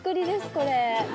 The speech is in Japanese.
これ。